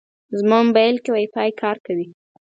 زما موبایل کې وايفای کار کوي.